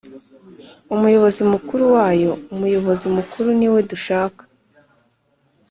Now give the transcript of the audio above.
Umuyobozi Mukuru wayo Umuyobozi Mukuru niwe dushaka